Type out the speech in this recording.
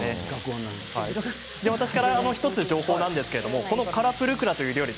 １つ情報なんですがカラプルクラという料理